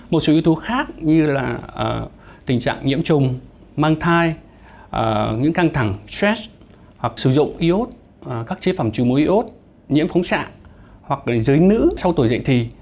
một số yếu tố khác như là tình trạng nhiễm trùng mang thai những căng thẳng stress hoặc sử dụng iốt các chế phẩm trừ mối iốt nhiễm phóng sạng hoặc dưới nữ sau tuổi dạy thì